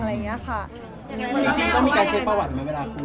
แล้วจริงต้องมีการเช็คประวัติเมื่อคุยกัน